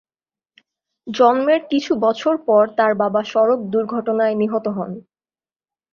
জন্মের কিছু বছর পর তার বাবা সড়ক দুর্ঘটনায় নিহত হন।